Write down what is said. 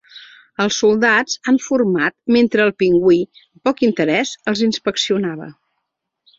Els soldats han format mentre el pingüí, amb poc interès, els inspeccionava.